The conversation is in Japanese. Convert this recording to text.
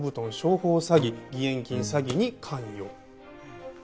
詐欺義援金詐欺に関与。